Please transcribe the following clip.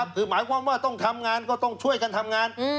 คือหมายความว่าต้องทำงานก็ต้องช่วยกันทำงาน